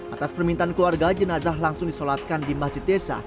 atas permintaan keluarga jenazah langsung disolatkan di masjid desa